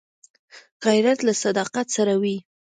غیرت له صداقت سره وي